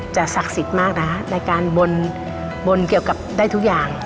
ศักดิ์สิทธิ์มากนะคะในการบนเกี่ยวกับได้ทุกอย่าง